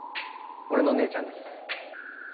俺の姉ちゃんです